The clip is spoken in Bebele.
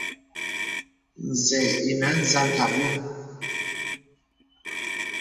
Zɛ̂ ìnə̀ à zàl àbɔ̄m.